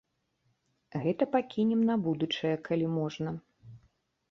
Гэта пакінем на будучае, калі можна.